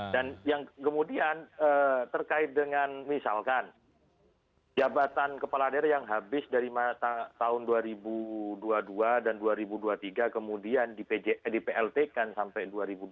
dan yang kemudian terkait dengan misalkan jabatan kepala daerah yang habis dari tahun dua ribu dua puluh dua dan dua ribu dua puluh tiga kemudian dipeltikan sampai dua ribu dua puluh empat